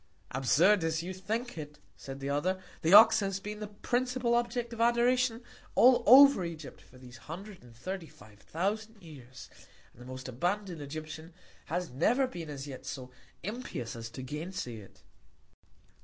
Absurd as you think it, said the other, the Ox has been the principal Object of Adoration all over Egypt, for these hundred and thirty five thousand Years, and the most abandon'd Egyptian has never been as yet so impious as to gain say it.